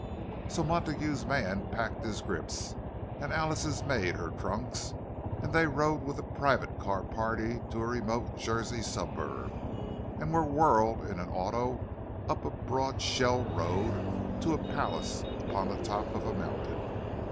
So Montague's man packed his grips, and Alice's maid her trunks; and they rode with a private car party to a remote Jersey suburb, and were whirled in an auto up a broad shell road to a palace upon the top of a mountain.